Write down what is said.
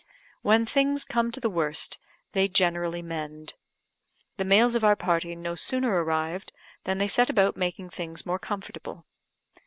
When things come to the worst, they generally mend. The males of our party no sooner arrived than they set about making things more comfortable.